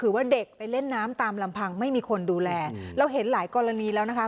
ว่าเด็กไปเล่นน้ำตามลำพังไม่มีคนดูแลเราเห็นหลายกรณีแล้วนะคะ